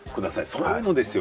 そういうのですよ！